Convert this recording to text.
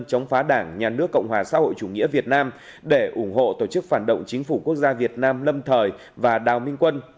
chống phá đảng nhà nước cộng hòa xã hội chủ nghĩa việt nam để ủng hộ tổ chức phản động chính phủ quốc gia việt nam lâm thời và đào minh quân